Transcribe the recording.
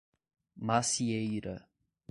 Macieira